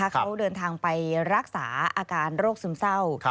เขาเดินทางไปรักษาอาการโรคซึมเศร้า